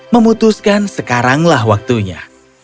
memutuskan sekaranglah waktunya